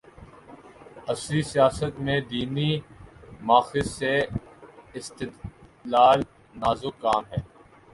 عصری سیاست میں دینی ماخذ سے استدلال‘ نازک کام ہے۔